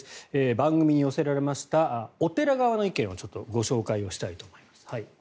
番組に寄せられましたお寺側の意見をご紹介したいと思います。